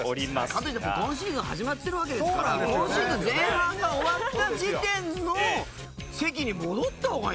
かといってもう今シーズン始まってるわけですから今シーズン前半が終わった時点の席に戻った方がいいんじゃないですか？